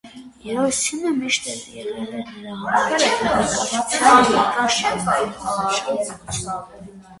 Երաժշտությունը միշտ էլ եղել էր նրան համար գեղանկարչության բնական շարունակությունը։